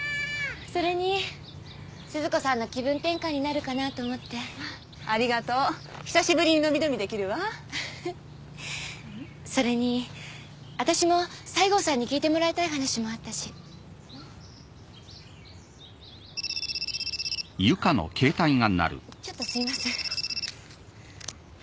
それに鈴子さんの気分転換になるかなと思ってありがとう久しぶりにのびのびできるわそれに私も西郷さんに聞いてもらいたい話もあったし・ちょっとすいません